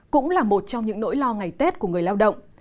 cũng là một trong những nỗi lo ngày tết của người lao động